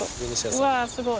うわすごい。